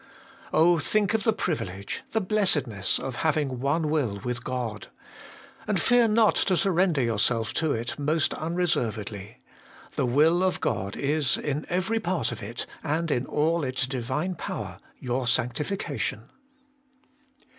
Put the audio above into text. Oh, think of the privilege, the blessedness, of having one will with God ! and fear not to surrender yourself to it most unre servedly. The will of God is, in every part of it, and in all its Divine power, your sanctification.